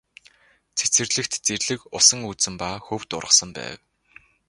Цэцэрлэгт зэрлэг усан үзэм ба хөвд ургасан байв.